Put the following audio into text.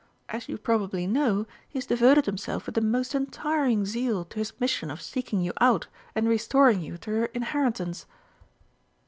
As you probably know, he has devoted himself with the most untiring zeal to his mission of seeking you out and restoring you to your inheritance."